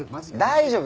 大丈夫。